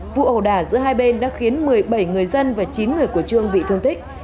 vụ ẩu đả giữa hai bên đã khiến một mươi bảy người dân và chín người của trương bị thương tích